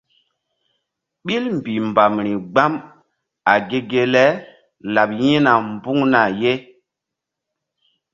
Ɓil mbih mbam ri gbam a ge ge le laɓ yi̧hna mbuŋna ye.